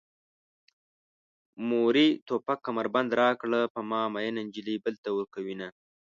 مورې توپک کمربند راکړه په ما مينه نجلۍ بل ته ورکوينه